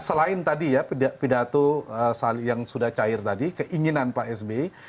selain tadi ya pidato yang sudah cair tadi keinginan pak sby